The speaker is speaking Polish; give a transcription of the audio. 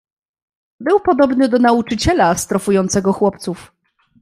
"Był podobny do nauczyciela, strofującego chłopców."